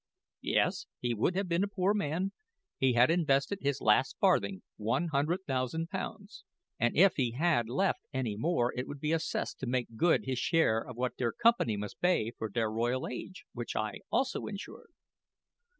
"Yes, he would have been a poor man. He had invested his last farthing one hundred thousand pounds. And if he had left any more it would be assessed to make good his share of what der company must bay for der Royal Age, which I also insured."